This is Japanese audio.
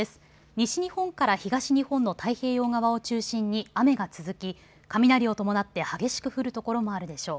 西日本から東日本の太平洋側を中心に雨が続き雷を伴って激しく降る所もあるでしょう。